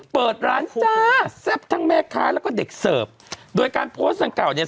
เปิดร้านจ้าแซ่บทั้งแม่ค้าแล้วก็เด็กเสิร์ฟโดยการโพสต์ดังเก่าเนี่ย